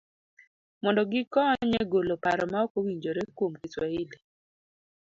mondo gikony e golo paro maok owinjore kuom Kiswahili.